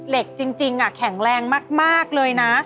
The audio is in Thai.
เหล็กจริงแข็งแรงมากเลยนะ